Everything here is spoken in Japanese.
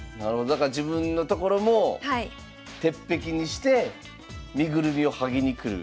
だから自分の所も鉄壁にして身ぐるみを剥ぎに来る。